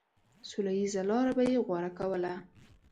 سوله ييزه لاره به يې غوره کوله.